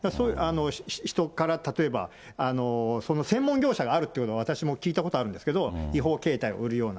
人から例えば、その専門業者があるっていうのは私も聞いたことあるんですけど、違法携帯を売るような。